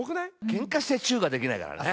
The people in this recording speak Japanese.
けんかしてチューができないからね。